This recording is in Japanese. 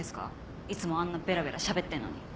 いつもあんなベラベラしゃべってんのに。